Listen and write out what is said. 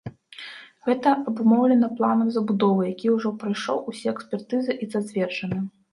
Гэта абумоўлена планам забудовы, які ўжо прайшоў усе экспертызы і зацверджаны.